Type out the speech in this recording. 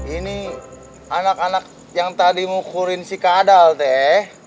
ini anak anak yang tadi mukurin si kadal teh